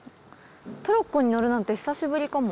トロッコに乗るなんて久しぶりかも。